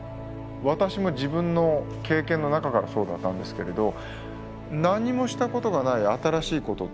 私も自分の経験の中からそうだったんですけれど何もしたことがない新しいことってやっぱり恐怖がありますよね。